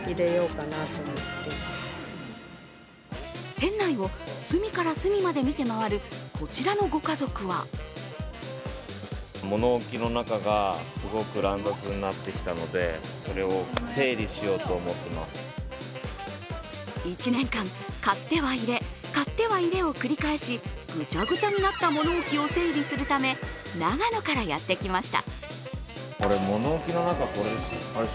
店内を隅から隅まで見て回るこちらのご家族は１年間、買っては入れ買っては入れを繰り返し、ぐちゃぐちゃになった物置を整理するため、長野からやってきました